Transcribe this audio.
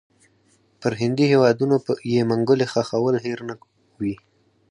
پر هندي هیوادونو یې منګولې ښخول هېر نه وي.